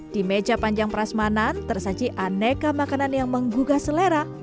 di meja panjang prasmanan tersaji aneka makanan yang menggugah selera